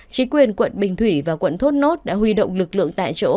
chính quyền quận bình thủy và quận thốt nốt đã huy động lực lượng tại chỗ